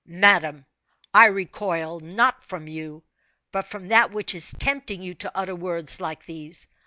"Madame, I recoil not from you, but from that which is tempting you to utter words like these.